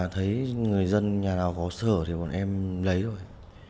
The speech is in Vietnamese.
thấy người dân nhà nào có sở thì bọn em lấy rồi